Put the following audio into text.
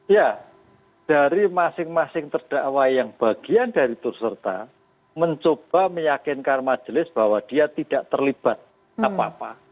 ya dari masing masing terdakwa yang bagian dari turserta mencoba meyakinkan majelis bahwa dia tidak terlibat apa apa